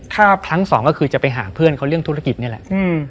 ถ้าครั้งสองก็คือจะไปหาเพื่อนเขาเรื่องธุรกิจนี่แหละ